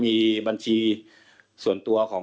มีพฤติกรรมเสพเมถุนกัน